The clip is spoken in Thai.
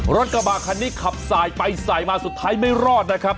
รถกระบะคันนี้ขับสายไปสายมาสุดท้ายไม่รอดนะครับ